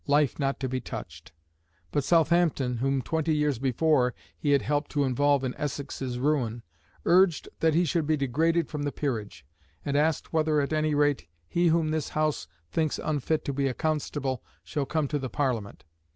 Life not to be touched." But Southampton, whom twenty years before he had helped to involve in Essex's ruin, urged that he should be degraded from the peerage; and asked whether, at any rate, "he whom this House thinks unfit to be a constable shall come to the Parliament."